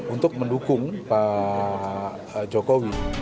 untuk mendukung pak jokowi